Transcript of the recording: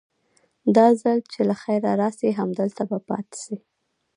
دا ځل چې له خيره راسي همدلته به پاته سي.